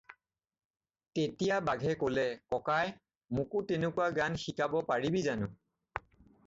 "তেতিয়া বঘে ক'লে- "ককাই, মোকো তেনেকুৱা গান শিকাব পাৰিবি জানো?"